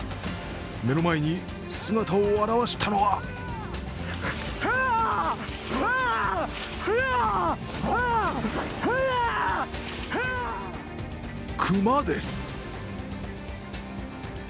目の前に姿を現したのは熊です。